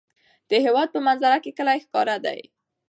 د هېواد په منظره کې کلي ښکاره دي.